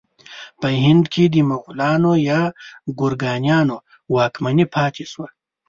په هند کې د مغلانو یا ګورکانیانو واکمني پاتې شوه.